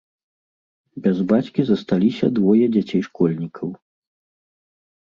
Без бацькі засталіся двое дзяцей-школьнікаў.